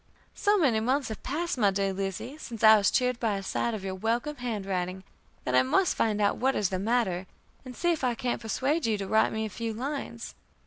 "So many months have passed, my dear Lizzie, since I was cheered by a sight of your welcome handwriting, that I must find out what is the matter, and see if I can't persuade you to write me a few lines.